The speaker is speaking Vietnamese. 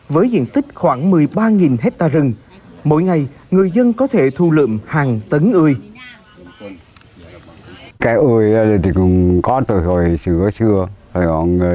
với diện tích khoảng một mươi ba hectare rừng